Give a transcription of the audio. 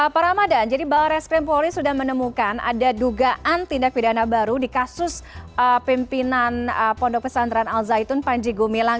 pak ramadan jadi barres krim polri sudah menemukan ada dugaan tindak pidana baru di kasus pimpinan pondok pesantren al zaitun panji gumilang